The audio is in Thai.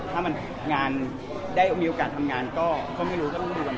ถ้ามันมีโอกาสทำงานก็ไม่รู้ก็ไม่รู้กัน